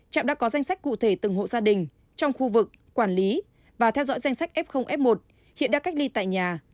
trạm đã có danh sách cụ thể từng hộ gia đình trong khu vực quản lý và theo dõi danh sách f một hiện đang cách ly tại nhà